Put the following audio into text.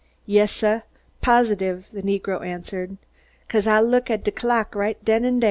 "Yas, suh! Positive!" the negro answered. "'Cause Ah looked at de clock raght den an' der."